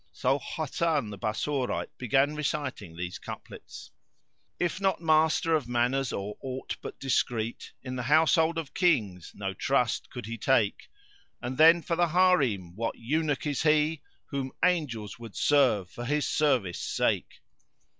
So Hasan the Bassorite began reciting these couplets:— "If not master of manners or aught but discreet * In the household of Kings no trust could he take: And then for the Harem! what Eunuch [FN#458] is he * Whom angels would serve for his service sake."